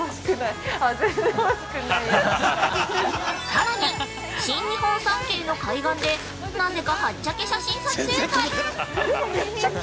さらに新日本三景の海岸でなぜかはっちゃけ写真撮影会。